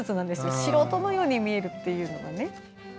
素人のように見えるというのがね。